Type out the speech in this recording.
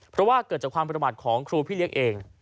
เพราะว่าเกิดจากความประมาทของครูพี่เลี้ยงเอง